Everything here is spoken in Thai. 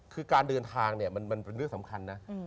คือการเดินทางเนี่ยมันเป็นเรื่องสำคัญนะ